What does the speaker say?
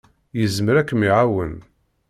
Yezmer ad kem-iɛawen.